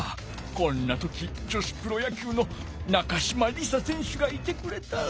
こんな時女子プロ野球の中島梨紗選手がいてくれたら。